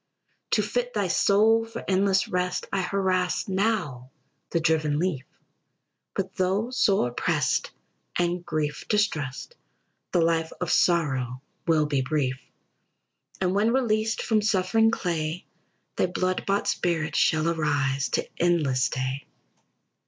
"To fit thy soul for endless rest, I harass now the driven leaf, But though sore pressed and grief distressed, The life of sorrow will be brief. "And when released from suffering clay, Thy blood bought spirit shall arise To endless day.